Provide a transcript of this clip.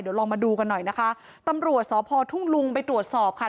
เดี๋ยวลองมาดูกันหน่อยนะคะตำรวจสพทุ่งลุงไปตรวจสอบค่ะ